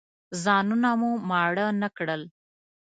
ځانونه مو ماړه نه کړل.